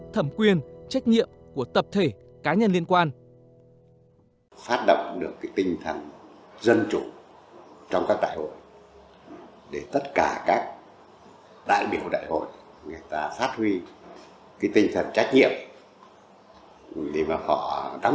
thẩm quyền trách nhiệm của tập thể cá nhân liên quan